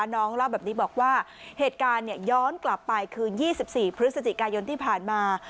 น้องเล่าแบบนี้บอกว่าเหตุการณ์ย้อนกลับไปคือ๒๔พฤศจิกายนที่ผ่านมา